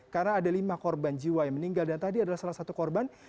karena ada lima korban jiwa yang meninggal dan tadi adalah salah satu korban